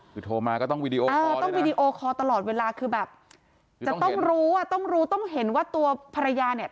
ถึงโทรมาก็ต้องวิดีโอคอตลอดเวลาคือแบบจะต้องรู้อ่ะต้องรู้ต้องเห็นว่าตัวภรรยาเนี่ย